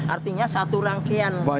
artinya satu rangkaian